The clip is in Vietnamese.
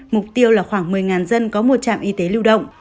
mục tiêu là khoảng một mươi dân có một trạm y tế lưu động